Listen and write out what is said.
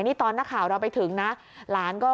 นี่ตอนนักข่าวเราไปถึงนะ